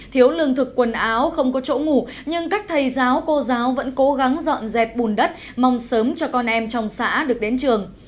thiếu lương thực quần áo không có chỗ ngủ nhưng các thầy giáo cô giáo vẫn cố gắng dọn dẹp bùn đất mong sớm cho con em trong xã được đến trường